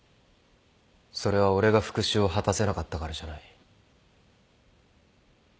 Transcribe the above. それは俺が復讐を果たせなかったからじゃない。